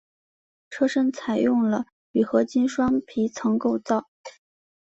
车身采用了铝合金双皮层构造。